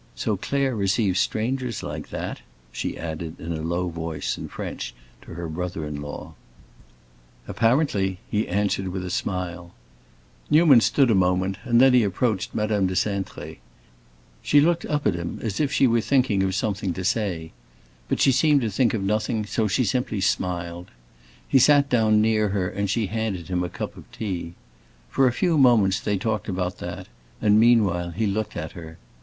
"So Claire receives strangers, like that?" she added, in a low voice, in French, to her brother in law. "Apparently!" he answered with a smile. Newman stood a moment, and then he approached Madame de Cintré. She looked up at him as if she were thinking of something to say. But she seemed to think of nothing; so she simply smiled. He sat down near her and she handed him a cup of tea. For a few moments they talked about that, and meanwhile he looked at her.